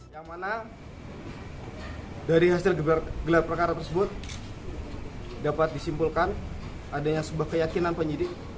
yang mana dari hasil gelar perkara tersebut dapat disimpulkan adanya sebuah keyakinan penyidik